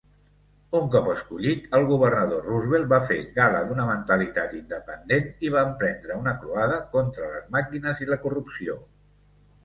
Un cop escollit, el governador Roosevelt va fer gal·la d'una mentalitat independent i va emprendre una croada contra les màquines i la corrupció.